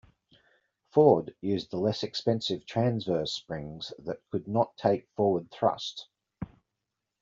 Ford used the less expensive transverse springs that could not take forward thrust.